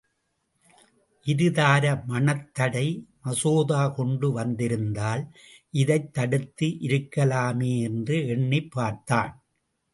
இருதார மணத்தடை மசோதா கொண்டு வந்திருந்தால் இதைத் தடுத்து இருக்கலாமே என்று எண்ணிப் பார்த்தான்.